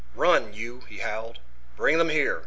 "Run, you!" he howled. "Bring them here!